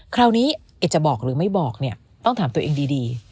คราวนี้เอกจะบอกหรือไม่บอกเนี่ยต้องถามตัวเองดี